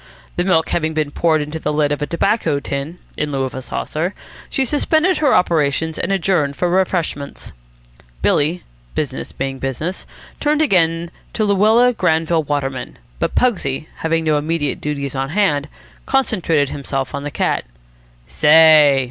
The milk having been poured into the lid of a tobacco tin, in lieu of a saucer, she suspended her operations and adjourned for refreshments. Billy, business being business, turned again to Luella Granville Waterman, but Pugsy, having no immediate duties on hand, concentrated himself on the cat. "Say!"